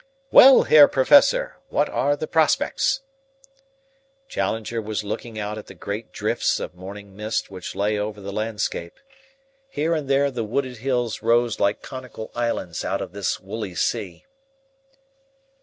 Well, Herr Professor, what are the prospects?" Challenger was looking out at the great drifts of morning mist which lay over the landscape. Here and there the wooded hills rose like conical islands out of this woolly sea.